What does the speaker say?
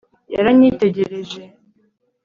yaranyitegereje